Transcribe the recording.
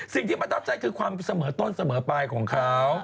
สิ่งที่มันต้องใจคือความเสมอต้นเสมอไปของเขา